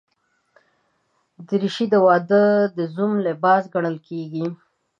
دریشي د واده د زوم لباس ګڼل کېږي.